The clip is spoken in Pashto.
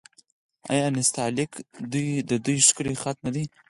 آیا نستعلیق د دوی ښکلی خط نه دی؟